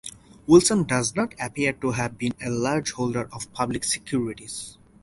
Wilson does not appear to have been a large holder of public securities.